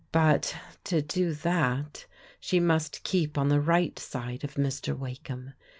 But to do that, she must keep on the right side of Mr. Wakeham.